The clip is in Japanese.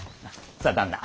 さあ旦那。